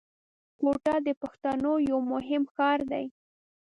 کوټه د پښتنو یو مهم ښار دی